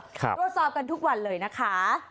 ตรวจสอบกันทุกวันเลยนะคะ